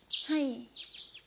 はい。